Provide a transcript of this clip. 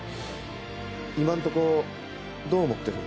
今んとこどう思ってる？